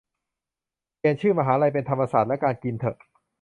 เปลี่ยนชื่อมหาลัยเป็นธรรมศาสตร์และการกินเถอะ